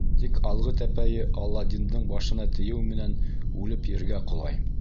Тик алғы тәпәйе Аладдиндың башына тейеү менән үлеп ергә ҡолай.